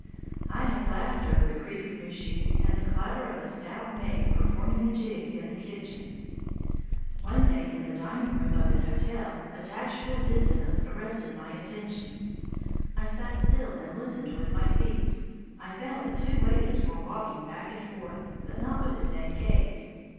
I have laughed over the creak of new shoes and the clatter of a stout maid performing a jig in the kitchen. One day, in the dining room of an hotel, a tactual dissonance arrested my attention. I sat still and listened with my feet. I found that two waiters were walking back and forth, but not with the same gait.